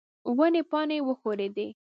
ونې پاڼې وښورېدې.